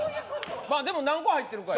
まあでも何個入ってるかよ